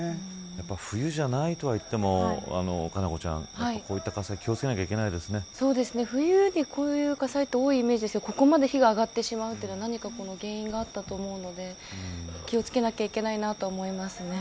やっぱり冬じゃないとはいっても佳菜子ちゃん、こういった火災気を付けな冬に、こういう火災が多いイメージですがここまで火が上がってしまうのは何か原因があったと思うので気を付けなければいけないなと思います。